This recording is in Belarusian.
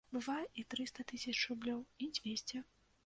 Бывае і трыста тысяч рублёў, і дзвесце!